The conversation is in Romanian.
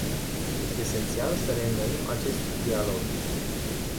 Este esențial să reînnoim acest dialog.